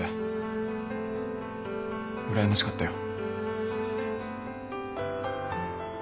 うらやましかったよ。